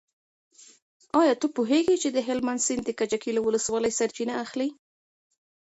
ایا ته پوهېږې چې د هلمند سیند د کجکي له ولسوالۍ سرچینه اخلي؟